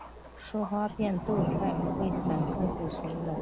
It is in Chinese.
疏花变豆菜为伞形科变豆菜属的植物。